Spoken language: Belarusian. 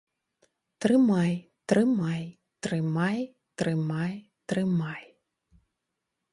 Трымай, трымай, трымай, трымай, трымай.